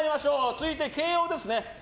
続いて慶應ですね。